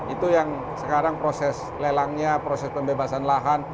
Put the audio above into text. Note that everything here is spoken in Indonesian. itu yang sekarang proses lelangnya proses pembebasan lahan